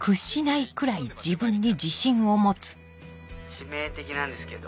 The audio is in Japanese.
致命的なんですけど。